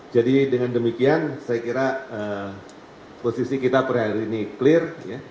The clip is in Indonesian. jadi dengan demikian saya kira posisi kita per hari ini clear